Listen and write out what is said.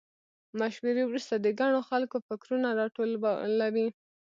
مشورې وروسته د ګڼو خلکو فکرونه راټول وي.